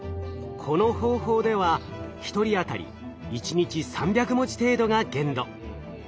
この方法では１人当たり一日３００文字程度が限度。